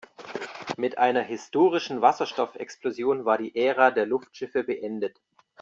Mit einer historischen Wasserstoffexplosion war die Ära der Luftschiffe beendet.